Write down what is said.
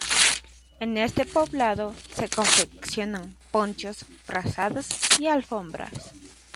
En este poblado se confeccionan ponchos, frazadas y alfombras.